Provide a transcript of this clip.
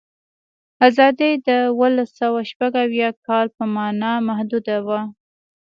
آزادي د اوولسسوهشپږاویا کال په معنا محدوده وه.